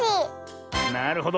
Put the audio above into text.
なるほど。